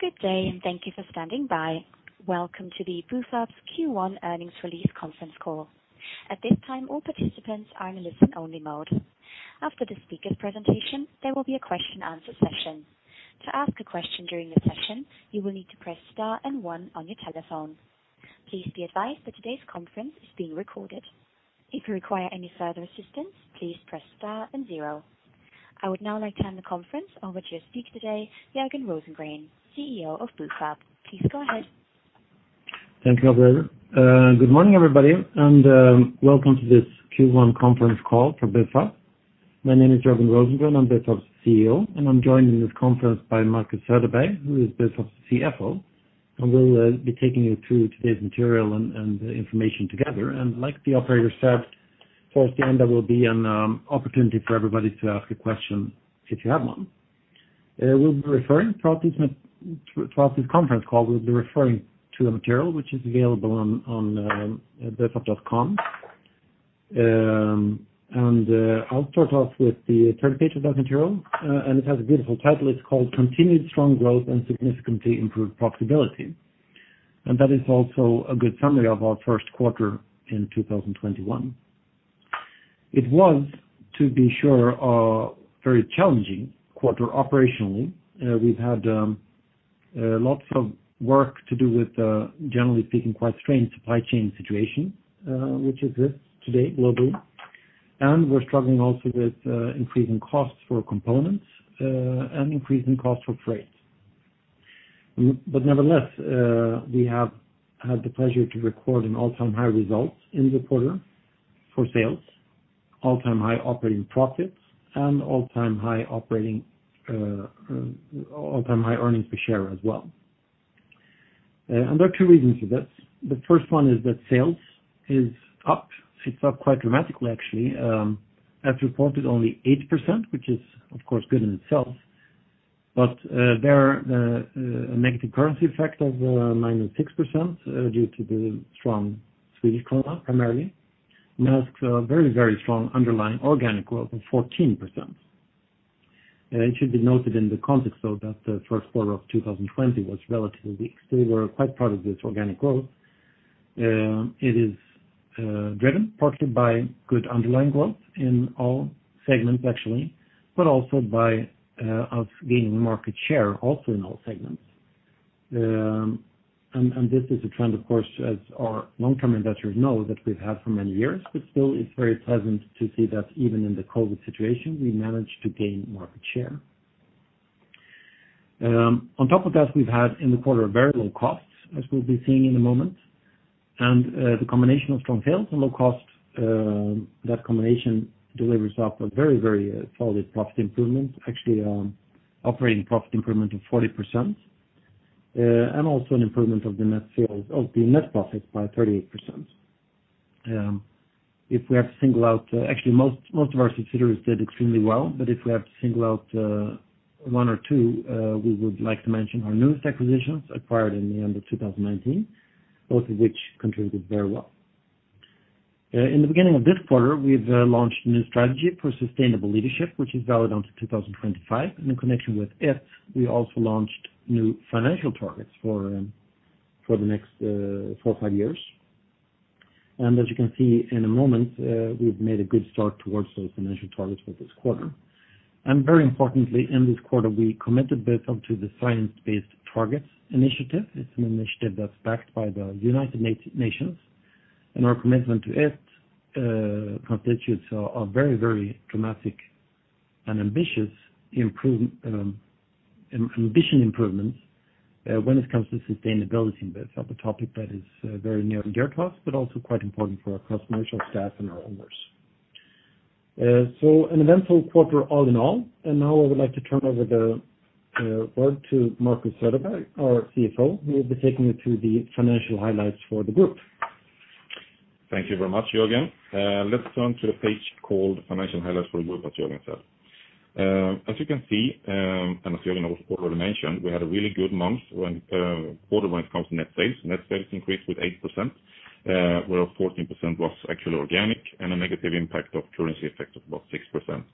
Good day, thank you for standing by. Welcome to the Bufab's Q1 earnings release conference call. At this time, all participants are in listen-only mode. After the speaker's presentation, there will be a question and answer session. Please be advised that today's conference is being recorded. I would now like to hand the conference over to your speaker today, Jörgen Rosengren, CEO of Bufab. Please go ahead. Thank you, operator. Good morning, everybody, welcome to this Q1 conference call for Bufab. My name is Jörgen Rosengren. I'm Bufab's CEO, and I'm joined in this conference by Marcus Söderberg, who is Bufab's CFO, and we'll be taking you through today's material and the information together. Like the operator said, towards the end, there will be an opportunity for everybody to ask a question if you have one. Throughout this conference call, we'll be referring to a material which is available on bufab.com. I'll start off with the third page of that material, and it has a beautiful title. It's called Continued Strong Growth and Significantly Improved Profitability. That is also a good summary of our first quarter in 2021. It was, to be sure, a very challenging quarter operationally. We've had lots of work to do with, generally speaking, quite strained supply chain situation, which exists today globally, and we're struggling also with increasing costs for components, and increasing costs for freight. Nevertheless, we have had the pleasure to record an all-time high result in the quarter for sales, all-time high operating profits, and all-time high earnings per share as well. There are two reasons for this. The first one is that sales is up. It's up quite dramatically, actually, as reported only 8%, which is, of course, good in itself. There are a negative currency effect of -6% due to the strong Swedish krona, primarily. This masks a very strong underlying organic growth of 14%. It should be noted in the context, though, that the first quarter of 2020 was relatively weak. We're quite proud of this organic growth. It is driven partly by good underlying growth in all segments, actually, but also by us gaining market share also in all segments. This is a trend, of course, as our long-term investors know, that we've had for many years, but still it's very pleasant to see that even in the COVID situation, we managed to gain market share. On top of that, we've had in the quarter very low costs, as we'll be seeing in a moment. The combination of strong sales and low cost, that combination delivers up a very solid profit improvement, actually operating profit improvement of 40%, and also an improvement of the net profit by 38%. Actually, most of our subsidiaries did extremely well, but if we have to single out one or two, we would like to mention our newest acquisitions acquired in the end of 2019, both of which contributed very well. In the beginning of this quarter, we've launched a new strategy for Sustainable Leadership, which is valid until 2025. In connection with it, we also launched new financial targets for the next four or five years. As you can see in a moment, we've made a good start towards those financial targets for this quarter. Very importantly, in this quarter, we committed Bufab to the Science-Based Targets initiative. It's an initiative that's backed by the United Nations, and our commitment to it constitutes a very dramatic and ambitious improvements when it comes to sustainability in Bufab. A topic that is very near and dear to us, but also quite important for our customers, our staff, and our owners. An eventful quarter all in all. Now I would like to turn over the word to Marcus Söderberg, our CFO, who will be taking you through the financial highlights for the group. Thank you very much, Jörgen. Let's turn to the page called Financial Highlights for the Group, as Jörgen said. As you can see, and as Jörgen also already mentioned, we had a really good month when order month comes to net sales. Net sales increased with 8%, whereof 14% was actually organic, and a negative impact of currency effect of about 6%.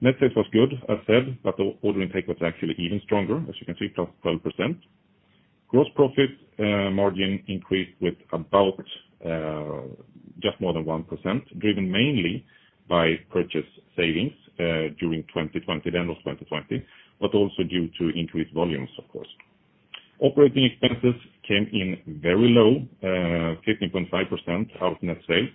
Net sales was good, as said, but the order intake was actually even stronger. As you can see, it was 12%. Gross profit margin increased with about just more than 1%, driven mainly by purchase savings during 2020, the end of 2020, but also due to increased volumes, of course. Operating expenses came in very low, 15.5% of net sales,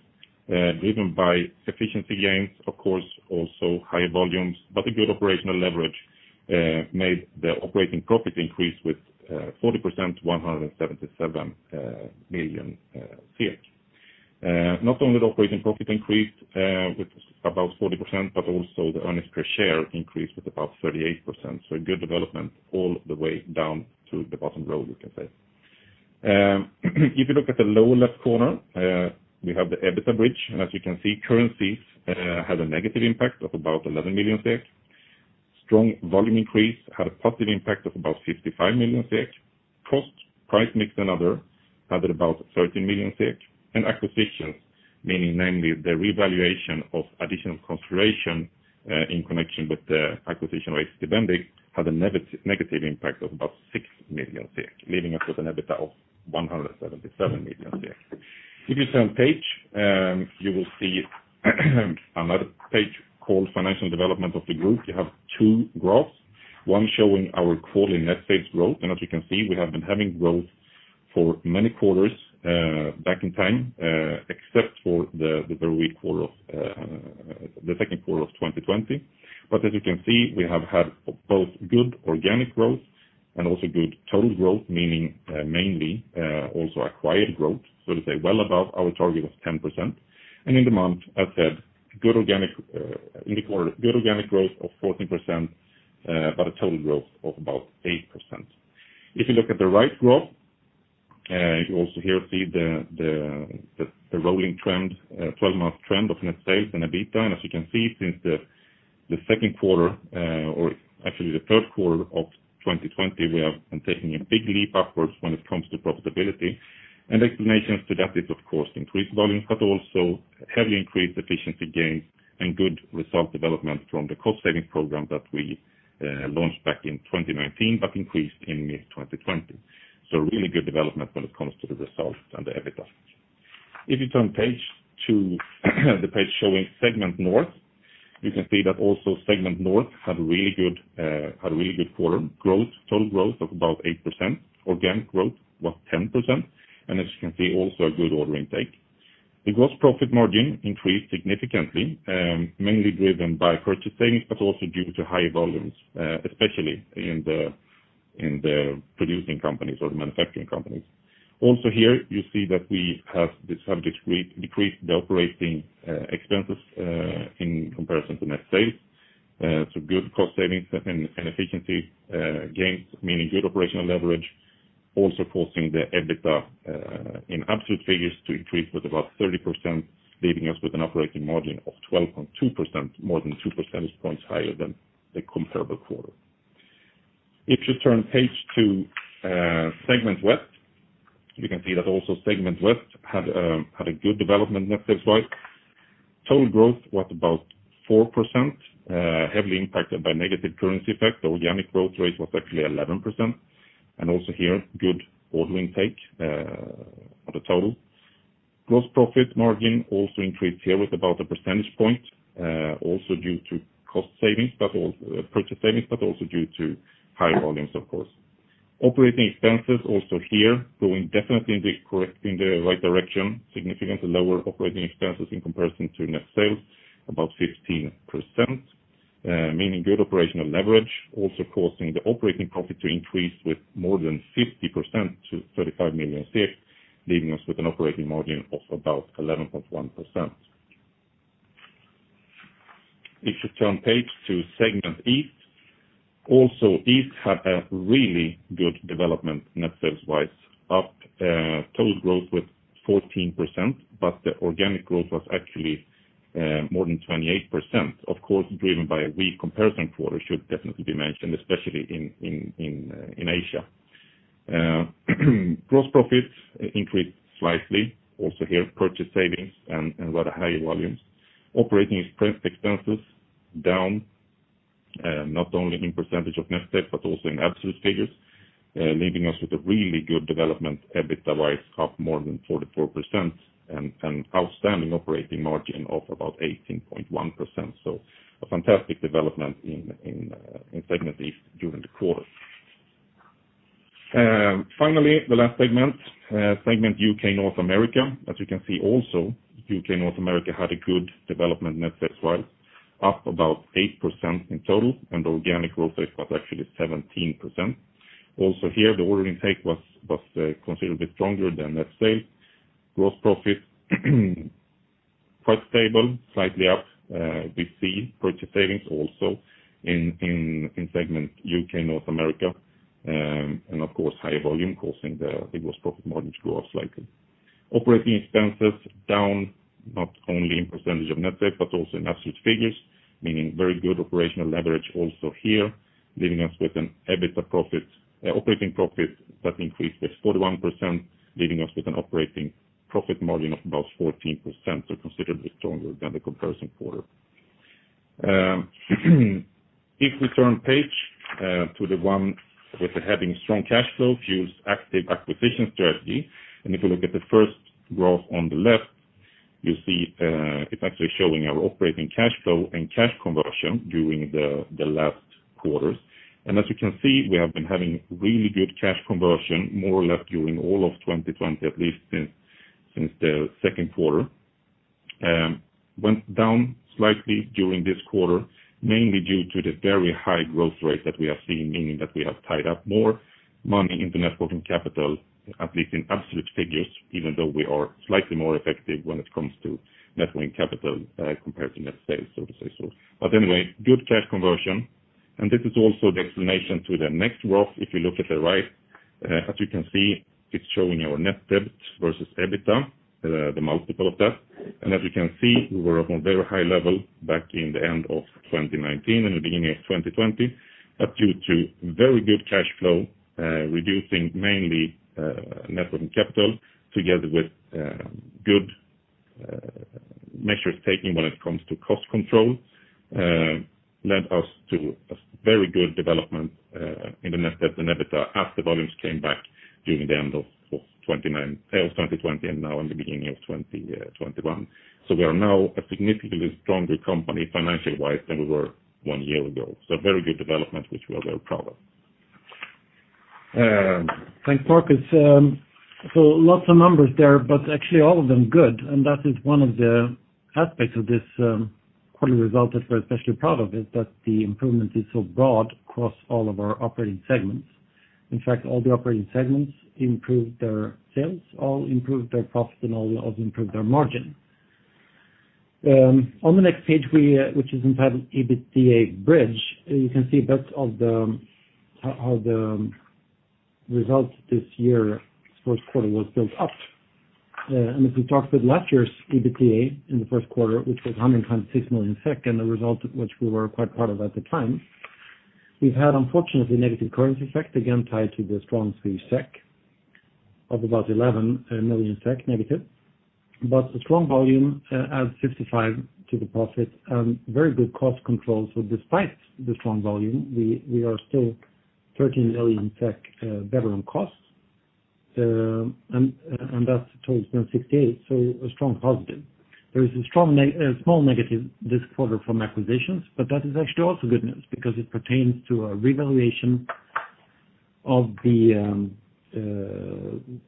driven by efficiency gains, of course, also high volumes, but a good operational leverage made the operating profit increase with 40% to 177 million. Not only the operating profit increased with about 40%, but also the earnings per share increased with about 38%. A good development all the way down to the bottom row, we can say. If you look at the lower left corner, we have the EBITDA bridge, and as you can see, currencies had a negative impact of about 11 million SEK. Strong volume increase had a positive impact of about 55 million SEK. Cost, price mix and other had about 13 million SEK. Acquisitions, meaning namely the revaluation of additional consideration, in connection with the acquisition of [Stevendi], had a negative impact of about 6 million SEK, leaving us with an EBITDA of 177 million SEK. If you turn page, you will see another page called Financial Development of the Group. You have two graphs, one showing our quarterly net sales growth. As you can see, we have been having growth for many quarters back in time, except for the very weak second quarter of 2020. As you can see, we have had both good organic growth and also good total growth, meaning mainly also acquired growth, so to say, well above our target of 10%. In demand, as said, good organic growth of 14%, but a total growth of about 8%. If you look at the right graph, you also here see the 12-month trend of net sales and EBITDA. As you can see, since the second quarter, or actually the third quarter of 2020, we have been taking a big leap upwards when it comes to profitability. Explanations to that is, of course, increased volumes, but also heavily increased efficiency gains and good result development from the cost-saving program that we launched back in 2019 but increased in mid-2020. Really good development when it comes to the results and the EBITDA. If you turn page to the page showing Segment North, you can see that also Segment North had a really good quarter. Total growth of about 8%, organic growth was 10%, and as you can see, also a good order intake. The gross profit margin increased significantly, mainly driven by purchasing, but also due to higher volumes, especially in the producing companies or the manufacturing companies. Also here, you see that we have decreased the operating expenses in comparison to net sales. Good cost savings and efficiency gains, meaning good operational leverage, also causing the EBITDA in absolute figures to increase with about 30%, leaving us with an operating margin of 12.2%, more than two percentage points higher than the comparable quarter. If you turn page to segment West, you can see that also Segment West had a good development net sales wise. Total growth was about 4%, heavily impacted by negative currency effect. The organic growth rate was actually 11%. Also here, good order intake at a total. Gross profit margin also increased here with about a percentage point, also due to purchase savings, but also due to high volumes, of course. Operating expenses also here, going definitely in the right direction. Significantly lower operating expenses in comparison to net sales, about 15%, meaning good operational leverage, also causing the operating profit to increase with more than 50% to 35 million, leaving us with an operating margin of about 11.1%. If you turn page to segment East. East had a really good development net sales wise. Up, total growth with 14%, but the organic growth was actually more than 28%, of course, driven by a weak comparison quarter, should definitely be mentioned, especially in Asia. Gross profits increased slightly, also here purchase savings and rather high volumes. Operating expenses down, not only in percentage of net sales but also in absolute figures, leaving us with a really good development EBITDA wise, up more than 44% and an outstanding operating margin of about 18.1%. A fantastic development in segment East during the quarter. Finally, the last segment, segment U.K. North America. As you can see also, segment U.K. North America had a good development net sales wise, up about 8% in total, and the organic growth rate was actually 17%. Also here, the order intake was considerably stronger than net sales. Gross profit quite stable, slightly up. We see purchase savings also in segment U.K. North America, and of course, higher volume causing the gross profit margin to go up slightly. Operating expenses down, not only in percentage of net sales but also in absolute figures, meaning very good operational leverage also here, leaving us with an operating profit that increased with 41%, leaving us with an operating profit margin of about 14%. Considerably stronger than the comparison quarter. If we turn page to the one with the heading Strong Cash Flow Fuels Active Acquisition Strategy. If you look at the first graph on the left, you see it's actually showing our operating cash flow and cash conversion during the last quarters. As you can see, we have been having really good cash conversion, more or less during all of 2020, at least since the second quarter. Went down slightly during this quarter, mainly due to the very high growth rate that we have seen, meaning that we have tied up more money in the networking capital, at least in absolute figures, even though we are slightly more effective when it comes to networking capital compared to net sales, so to say so. Anyway, good cash conversion. This is also the explanation to the next graph. If you look at the right, as you can see, it's showing our Net debt versus EBITDA, the multiple of that. As you can see, we were up on very high level back in the end of 2019 and the beginning of 2020. Due to very good cash flow, reducing mainly net working capital together with good measures taken when it comes to cost control led us to a very good development in the net debt and EBITDA as the volumes came back during the end of 2020 and now in the beginning of 2021. We are now a significantly stronger company financially-wise than we were one year ago. Very good development, which we are very proud of. Thanks, Marcus. Lots of numbers there, but actually all of them good. That is one of the aspects of this quarterly result that we're especially proud of, is that the improvement is so broad across all of our operating segments. In fact, all the operating segments improved their sales, all improved their profit, and all improved their margin. On the next page, which is entitled EBITA Bridge, you can see how the results this year, this first quarter was built up. If we talk with last year's EBITA in the first quarter, which was 126 million SEK, the result of which we were quite proud of at the time. We've had, unfortunately, negative currency effect, again, tied to the strong Swedish SEK of about 11 million SEK negative. The strong volume adds 55 million to the profit and very good cost control. Despite the strong volume, we are still 13 million SEK better on costs, and that totals 168, so a strong positive. There is a small negative this quarter from acquisitions, but that is actually also good news because it pertains to a revaluation of the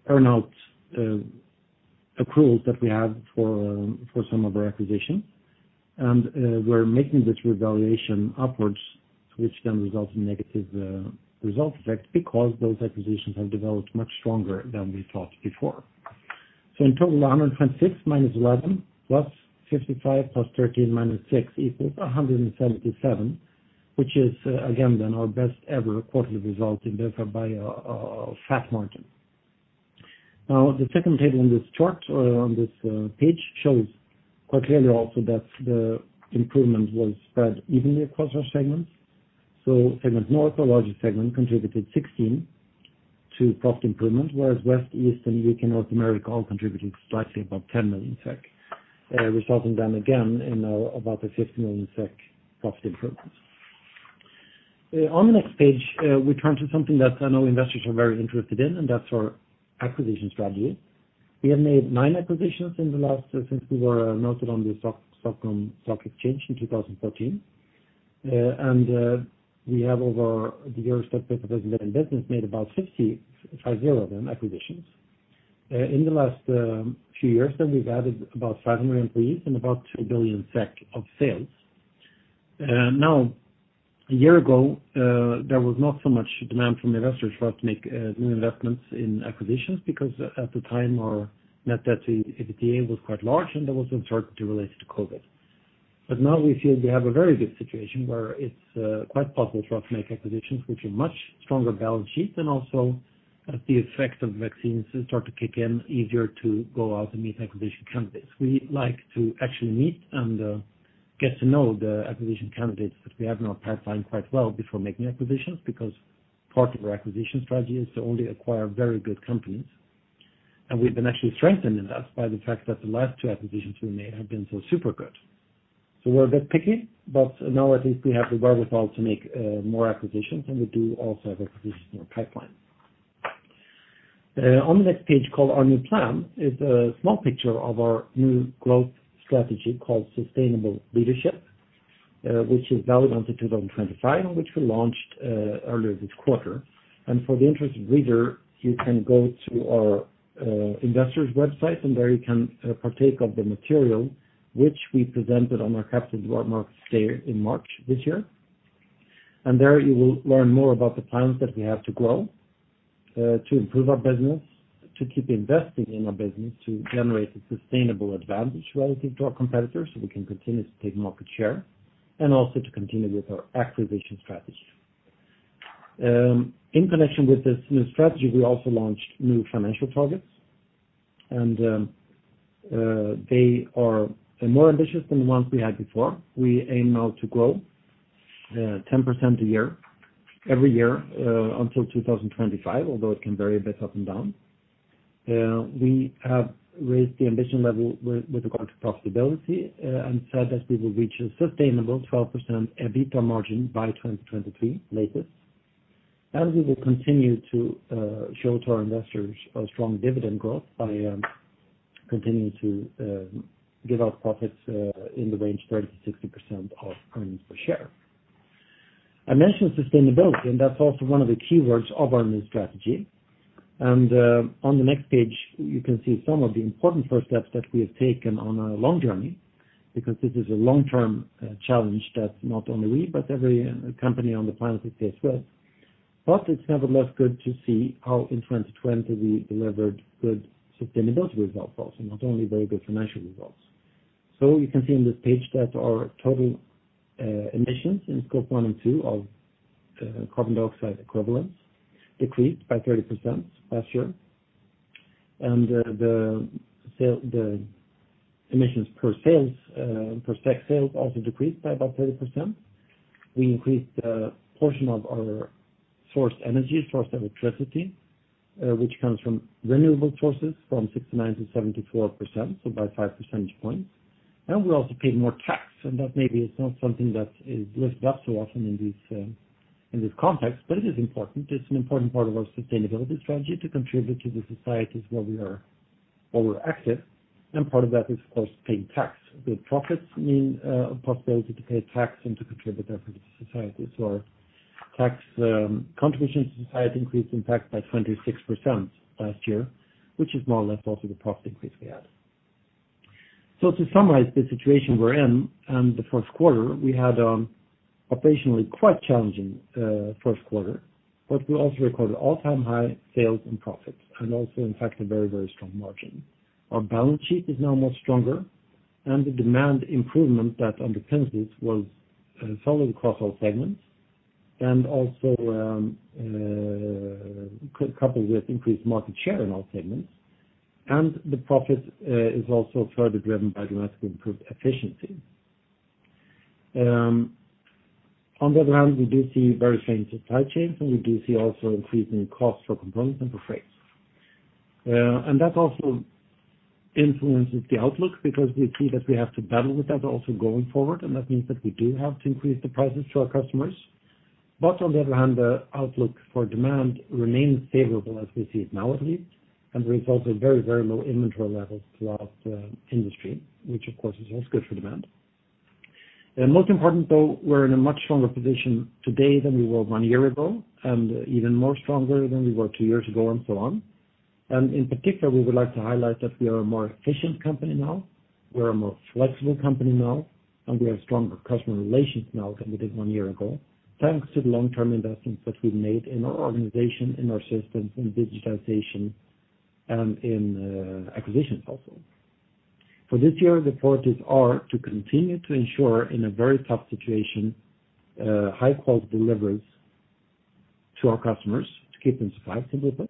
earn-out accruals that we have for some of our acquisitions. We're making this revaluation upwards, which then results in negative result effect because those acquisitions have developed much stronger than we thought before. In total, 126 minus 11 plus 55 plus 13 minus 6 equals 177, which is again then our best ever quarterly result in Bufab by a fat margin. The second table in this chart or on this page shows quite clearly also that the improvement was spread evenly across our segments. Segment North, our largest segment, contributed 16% to profit improvement, whereas Segment West, Segment East, and Segment UK/North America all contributed slightly above 10 million SEK, resulting then again in about a 50 million SEK profit improvement. On the next page, we turn to something that I know investors are very interested in, and that's our acquisition strategy. We have made nine acquisitions since we were noted on Nasdaq Stockholm in 2014. We have over the years that we've been in business, made about 60, 50 then, acquisitions. In the last few years then we've added about 500 employees and about 2 billion SEK of sales. A year ago, there was not so much demand from investors for us to make new investments in acquisitions because at the time our net debt to EBITDA was quite large, and there was uncertainty related to COVID. Now we feel we have a very good situation where it's quite possible for us to make acquisitions with a much stronger balance sheet and also as the effect of vaccines start to kick in, easier to go out and meet acquisition candidates. We like to actually meet and get to know the acquisition candidates that we have in our pipeline quite well before making acquisitions, because part of our acquisition strategy is to only acquire very good companies. We've been actually strengthened in that by the fact that the last two acquisitions we made have been so super good. We're a bit picky, but now at least we have the wherewithal to make more acquisitions, and we do also have acquisitions in our pipeline. On the next page called Our New Plan is a small picture of our new growth strategy called Sustainable Leadership, which is valid until 2025, which we launched earlier this quarter. For the interested reader, you can go to our investors website, and there you can partake of the material which we presented on our capital markets day in March this year. There you will learn more about the plans that we have to grow, to improve our business, to keep investing in our business, to generate a sustainable advantage relative to our competitors so we can continue to take market share, and also to continue with our acquisition strategy. In connection with this new strategy, we also launched new financial targets, and they are more ambitious than the ones we had before. We aim now to grow 10% a year every year until 2025, although it can vary a bit up and down. We have raised the ambition level with regard to profitability and said that we will reach a sustainable 12% EBITDA margin by 2023 latest. We will continue to show to our investors a strong dividend growth by continuing to give out profits in the range of 30%-60% of earnings per share. I mentioned sustainability, and that's also one of the keywords of our new strategy. On the next page, you can see some of the important first steps that we have taken on our long journey because this is a long-term challenge that not only we, but every company on the planet faces as well. It's nevertheless good to see how in 2020 we delivered good sustainability results also, not only very good financial results. You can see on this page that our total emissions in Scope 1 and 2 of carbon dioxide equivalents decreased by 30% last year. The emissions per sales, per SEK sales also decreased by about 30%. We increased the portion of our sourced energy, sourced electricity, which comes from renewable sources from 69% to 74%, so by five percentage points. We also paid more tax, that maybe is not something that is raised up so often in this context, it is important. It's an important part of our sustainability strategy to contribute to the societies where we're active, and part of that is, of course, paying tax. Good profits mean a possibility to pay tax and to contribute therefore to society. Our tax contributions to society increased in fact by 26% last year, which is more or less also the profit increase we had. To summarize the situation we're in, and the first quarter, we had operationally quite challenging first quarter, but we also recorded all-time high sales and profits, and also, in fact, a very, very strong margin. Our balance sheet is now much stronger, and the demand improvement that underpins this was solid across all segments, and also coupled with increased market share in all segments. The profit is also further driven by dramatically improved efficiency. On the other hand, we do see very strained supply chains, and we do see also increasing costs for components and for freight. That also influences the outlook because we see that we have to battle with that also going forward, and that means that we do have to increase the prices to our customers. On the other hand, the outlook for demand remains favorable as we see it now at least, and there is also very, very low inventory levels throughout the industry, which of course is also good for demand. Most important though, we're in a much stronger position today than we were one year ago, and even more stronger than we were two years ago and so on. In particular, we would like to highlight that we are a more efficient company now, we're a more flexible company now, and we have stronger customer relations now than we did one year ago, thanks to the long-term investments that we've made in our organization, in our systems, in digitization, and in acquisitions also. For this year, the priorities are to continue to ensure, in a very tough situation, high-quality deliveries to our customers to keep them satisfied with us.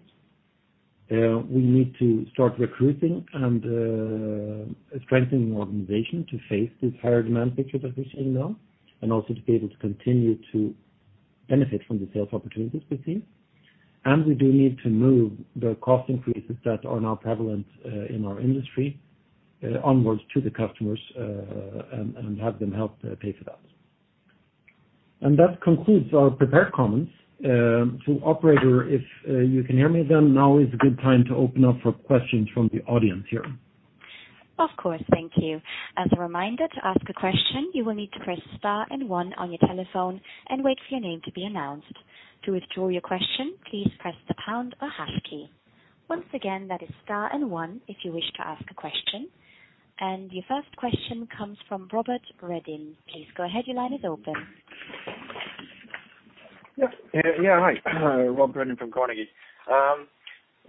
We need to start recruiting and strengthening the organization to face this higher demand picture that we're seeing now, and also to be able to continue to benefit from the sales opportunities we see. We do need to move the cost increases that are now prevalent in our industry onwards to the customers, and have them help pay for that. That concludes our prepared comments. Operator, if you can hear me, then now is a good time to open up for questions from the audience here. Of course. Thank you. As a reminder, to ask a question, you will need to press star and one on your telephone and wait for your name to be announced. To withdraw your question, please press the pound or hash key. Once again, that is star and one if you wish to ask a question. Your first question comes from Robert Redin. Please go ahead, your line is open. Hi, Rob Redin from Carnegie.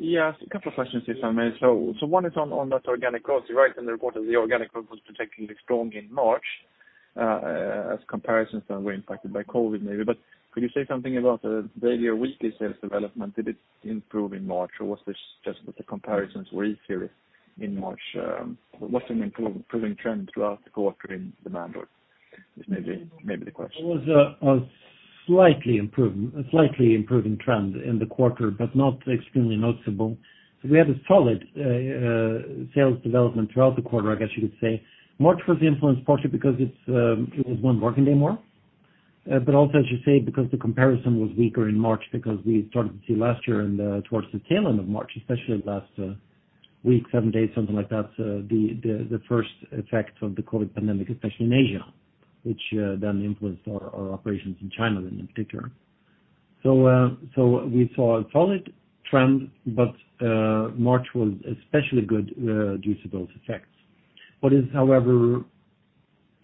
A couple of questions if I may. One is on that organic growth. You're right in the report that the organic growth was particularly strong in March, as comparisons then were impacted by COVID maybe. Could you say something about the daily or weekly sales development? Did it improve in March, or was this just that the comparisons were easier in March? Was there an improving trend throughout the quarter in demand or is maybe the question? It was a slightly improving trend in the quarter, but not extremely noticeable. We had a solid sales development throughout the quarter, I guess you could say. March was influenced partially because it was one working day more. Also, as you say, because the comparison was weaker in March because we started to see last year and towards the tail end of March, especially the last week, seven days, something like that, the first effects of the COVID pandemic, especially in Asia, which then influenced our operations in China then in particular. We saw a solid trend, but March was especially good due to those effects. What is, however,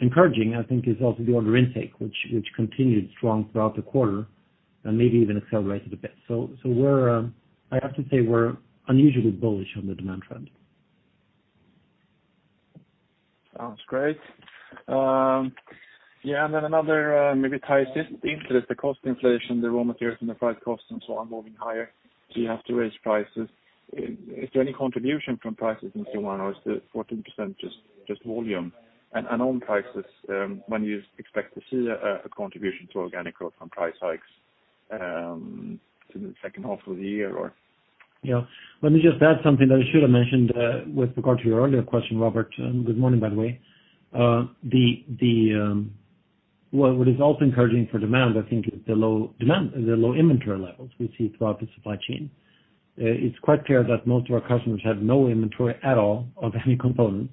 encouraging, I think, is also the order intake, which continued strong throughout the quarter, and maybe even accelerated a bit. I have to say we're unusually bullish on the demand trend. Sounds great. Yeah, maybe ties this into this, the cost inflation, the raw materials, and the freight costs and so on moving higher, so you have to raise prices. Is there any contribution from prices in Q1, or is the 14% just volume? On prices, when do you expect to see a contribution to organic growth from price hikes? In the second half of the year or? Yeah. Let me just add something that I should have mentioned, with regard to your earlier question, Robert. Good morning, by the way. What is also encouraging for demand, I think is the low inventory levels we see throughout the supply chain. It's quite clear that most of our customers have no inventory at all of any components,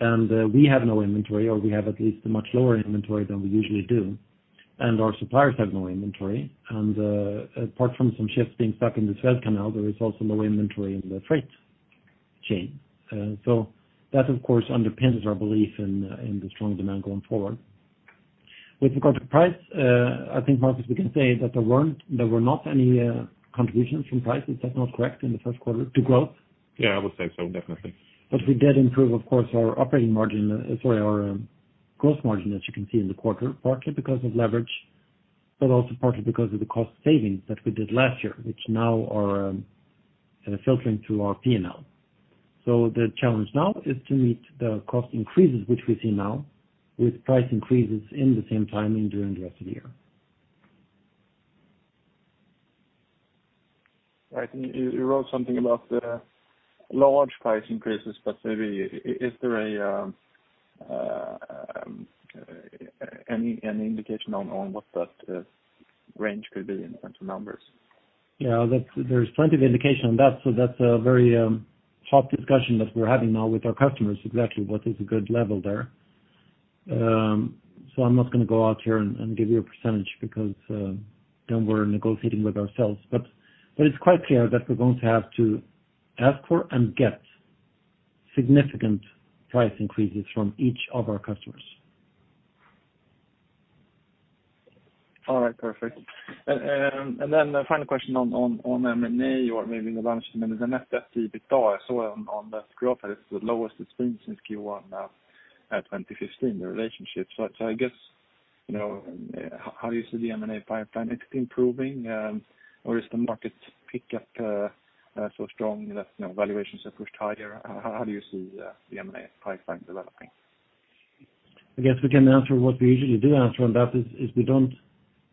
and we have no inventory, or we have at least a much lower inventory than we usually do, and our suppliers have no inventory. Apart from some ships being stuck in the Suez Canal, there is also no inventory in the freight chain. That, of course, underpins our belief in the strong demand going forward. With regard to price, I think Marcus, we can say that there were not any contributions from prices. Is that not correct in the first quarter to growth? Yeah, I would say so, definitely. We did improve, of course, our gross margin, as you can see in the quarter, partly because of leverage. Also partly because of the cost savings that we did last year, which now are filtering through our P&L. The challenge now is to meet the cost increases, which we see now, with price increases in the same timing during the rest of the year. Right. You wrote something about the large price increases, but is there any indication on what that range could be in terms of numbers? Yeah. There's plenty of indication on that. That's a very hot discussion that we're having now with our customers, exactly what is a good level there. I'm not going to go out here and give you a percentage because then we're negotiating with ourselves. It's quite clear that we're going to have to ask for and get significant price increases from each of our customers. All right, perfect. The final question on M&A, or maybe in the management is net debt/EBITDA. I saw on the graph that it's the lowest it's been since Q1, 2015, the relationship. I guess, how do you see the M&A pipeline, is it improving? Or is the market pick up so strong that valuations are pushed higher? How do you see the M&A pipeline developing? I guess we can answer what we usually do answer on that is, we don't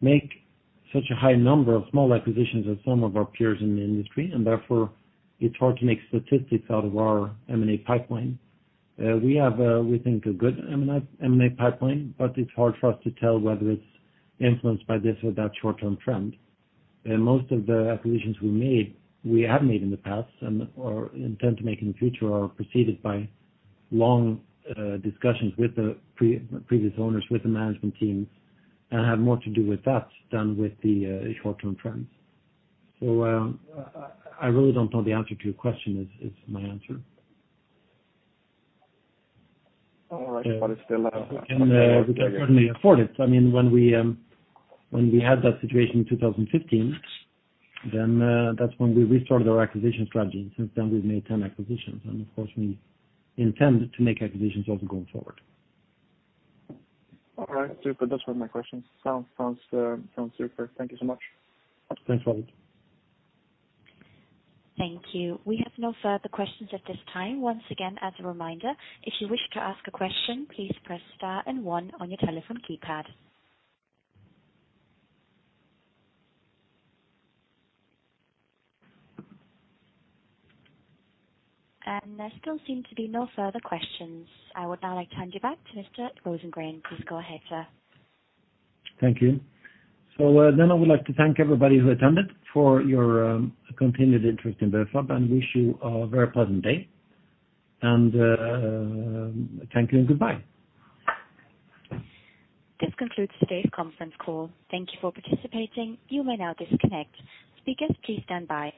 make such a high number of small acquisitions as some of our peers in the industry. Therefore, it's hard to make statistics out of our M&A pipeline. We have, we think a good M&A pipeline, it's hard for us to tell whether it's influenced by this or that short-term trend. Most of the acquisitions we made, we have made in the past and/or intend to make in the future are preceded by long discussions with the previous owners, with the management teams, and have more to do with that than with the short-term trends. I really don't know the answer to your question, is my answer. All right. We can certainly afford it. When we had that situation in 2015, that's when we restored our acquisition strategy. Since then we've made 10 acquisitions. Of course, we intend to make acquisitions also going forward. All right, super. Those were my questions. Sounds super. Thank you so much. Thanks, Robert. Thank you. We have no further questions at this time. Once again, as a reminder, if you wish to ask a question, please press star and one on your telephone keypad. There still seem to be no further questions. I would now like to hand you back to Mr. Rosengren. Please go ahead, sir. Thank you. I would like to thank everybody who attended for your continued interest in Bufab and wish you a very pleasant day. Thank you and goodbye. This concludes today's conference call. Thank you for participating. You may now disconnect. Speakers, please stand by.